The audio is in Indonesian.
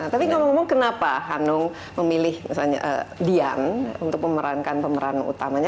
tapi ngomong ngomong kenapa hanum memilih misalnya dian untuk memerankan pemeran utamanya